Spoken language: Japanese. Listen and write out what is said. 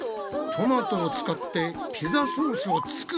トマトを使ってピザソースを作れってことか！？